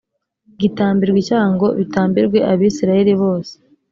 gitambirwa icyaha ngo bitambirwe abisirayeli bose